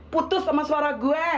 putus sama suara gue